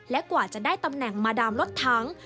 และกว่าจะได้ตำแหน่งมาดามรถถัง